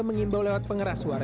mengimbau lewat pengeras suara